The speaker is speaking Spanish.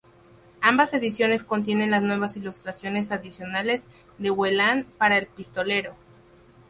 Ambas ediciones contienen las nuevas ilustraciones adicionales de Whelan para "El Pistolero".